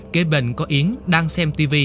kế bên có yến đang xem tv